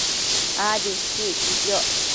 Adi utsi iquidioc